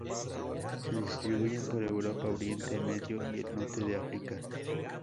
Se distribuyen por Europa, Oriente Medio y el norte de África.